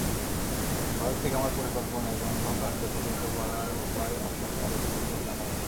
ভারত থেকে আমার পরিকল্পনা এবং উহা কার্যে পরিণত করার উপায় আপনাকে আরও বিশদভাবে জানাব।